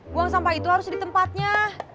buang sampah itu harus di tempatnya